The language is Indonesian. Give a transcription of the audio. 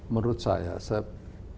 menurut saya sepp